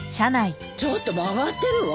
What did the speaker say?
ちょっと曲がってるわ。